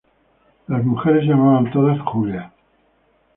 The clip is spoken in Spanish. Las mujeres se llamaban todas Julia.